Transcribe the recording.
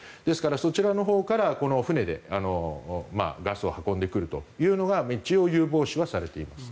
そちらのほうから船でガスを運んでくるというのが一応、有望視はされています。